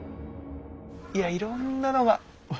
いやいろんなのが。